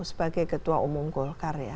sebagai ketua umum golkar